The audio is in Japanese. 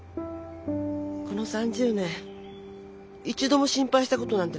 この３０年一度も心配したことなんてなかった。